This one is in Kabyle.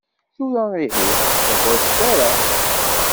Tura ihi, ur ttagadet ara.